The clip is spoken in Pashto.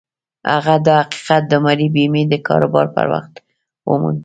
هغه دا حقيقت د عمري بيمې د کاروبار پر وخت وموند.